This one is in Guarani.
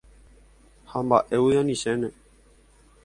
Ha mba'égui anichéne.